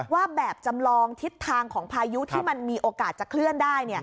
ว่าแบบจำลองทิศทางของพายุที่มันมีโอกาสจะเคลื่อนได้